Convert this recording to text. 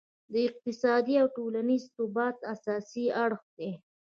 د اقتصادي او ټولینز ثبات اساسي اړخ دی.